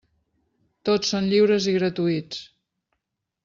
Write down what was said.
Tots són lliures i gratuïts.